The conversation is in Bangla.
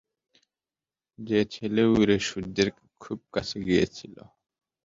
যে ছেলে উড়ে সূর্যের খুব কাছে গিয়েছিল।